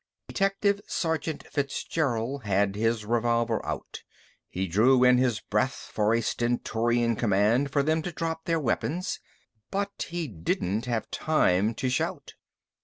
Detective Sergeant Fitzgerald had his revolver out. He drew in his breath for a stentorian command for them to drop their weapons. But he didn't have time to shout.